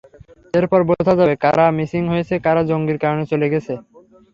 এরপর বোঝা যাবে কারা মিসিং হয়েছে, কারা জঙ্গির কারণে চলে গেছে।